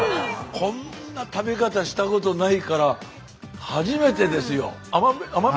こんな食べ方したことないから初めてですよ。